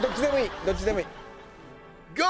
どっちでもいいゴー！